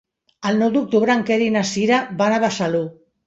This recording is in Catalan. El nou d'octubre en Quer i na Sira van a Besalú.